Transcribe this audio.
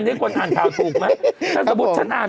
นี่คนอ่านข่าวถูกไหมถ้าสมมุติฉันอ่าน